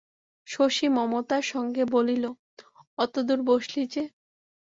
শশী মমতার সঙ্গে বলিল, অত দূর বসলি যে!